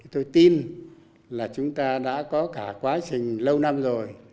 tôi tin là chúng ta đã có cả quá trình lâu năm rồi